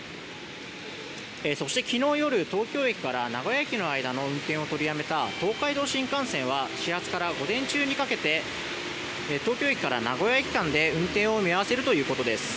そして、昨日夜東京駅から名古屋駅の間の運転を取りやめた東海道新幹線は始発から午前中にかけて東京駅から名古屋駅間で運転を見合わせるということです。